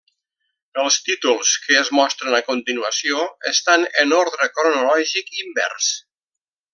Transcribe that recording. Els títols que es mostren a continuació estan en ordre cronològic invers.